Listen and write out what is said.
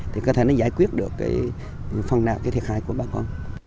thì có thể nó giải quyết được cái phần nào cái thiệt hại của bà con